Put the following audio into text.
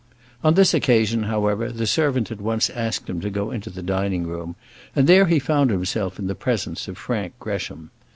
On this occasion, however, the servant at once asked him to go into the dining room, and there he found himself in the presence of Frank Gresham.